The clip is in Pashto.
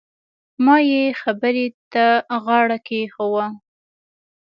ما يې خبرې ته غاړه کېښووه.